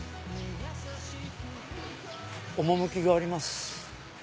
趣があります。